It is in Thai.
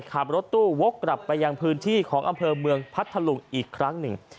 ขับรถตู้วกกลับไปยังพื้นที่ของอำเภอเมืองพัทธลุงอีกครั้งหนึ่ง